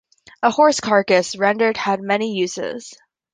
A horse carcass, rendered, had many uses.